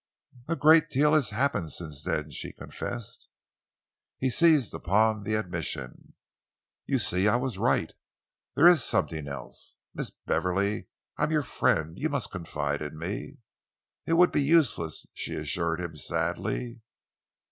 "A great deal has happened since then," she confessed. He seized upon the admission. "You see, I was right. There is something else! Miss Beverley, I am your friend. You must confide in me." "It would be useless," she assured him sadly.